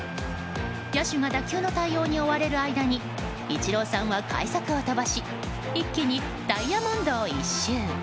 野手が打球の対応に追われる間にイチローさんは快足を飛ばし一気にダイヤモンドを１周。